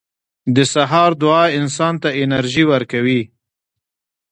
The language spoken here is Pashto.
• د سهار دعا انسان ته انرژي ورکوي.